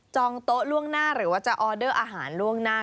โต๊ะล่วงหน้าหรือว่าจะออเดอร์อาหารล่วงหน้า